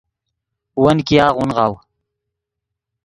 ون ګیاغ اونغاؤ